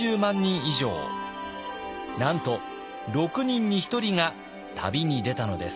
なんと６人に１人が旅に出たのです。